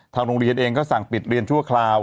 โรงเรียนเองก็สั่งปิดเรียนชั่วคราว